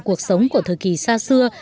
cuộc sống của thời kỳ xa xưa